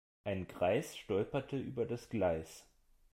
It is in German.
Ein Greis stolperte über das Gleis.